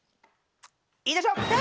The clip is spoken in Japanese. いいでしょう